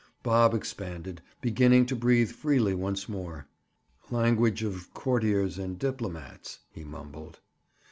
Bob expanded, beginning to breathe freely once more. "Language of courtiers and diplomats!" he mumbled. Mrs.